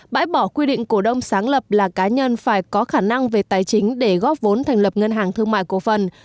bãi bỏ quy định cổ đông sáng lập là cá nhân phải có khả năng về tài chính để góp vốn thành lập ngân hàng thương mại cổ phần